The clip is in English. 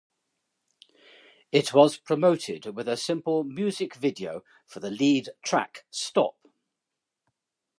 It was promoted with a simple music video for the lead track Stop!